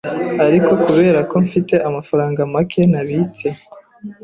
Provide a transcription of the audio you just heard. ariko kubera ko mfite amafaranga make nabitse,